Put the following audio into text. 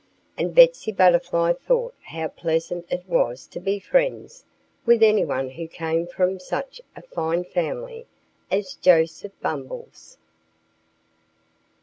And Betsy Butterfly thought how pleasant it was to be friends with anyone who came from such a fine family as Joseph Bumble's.